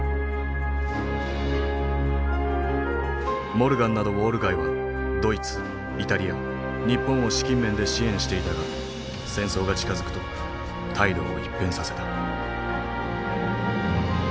モルガンなどウォール街はドイツイタリア日本を資金面で支援していたが戦争が近づくと態度を一変させた。